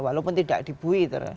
walaupun tidak dibuih